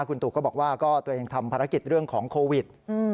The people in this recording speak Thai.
คุณตู่ก็บอกว่าก็ตัวเองทำภารกิจเรื่องของโควิด